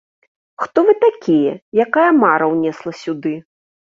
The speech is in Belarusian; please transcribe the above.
Хто вы такія, якая мара ўнесла сюды?